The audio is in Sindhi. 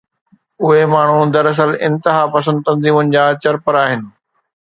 اهي ماڻهو دراصل انتهاپسند تنظيمن جا چرپر آهن.